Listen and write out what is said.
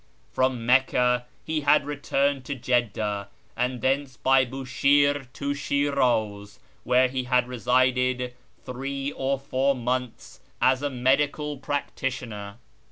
From Mecca he had returned to Jedda, and thence by Bushire to Shirdz, where he had resided three or four months as a medical practitioner.